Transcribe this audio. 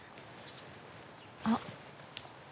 あっ。